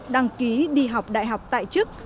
đăng ký đi học đại học tại chức